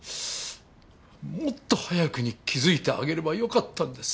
もっと早くに気づいてあげればよかったんです。